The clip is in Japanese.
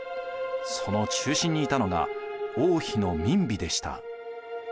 その中心にいたのが王妃の閔妃でした。